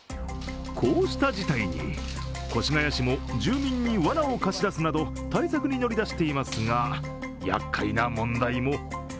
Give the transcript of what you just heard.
こうした事態に、越谷市も住民にわなを貸し出すなど対策に乗り出していますがやっかいな問題も。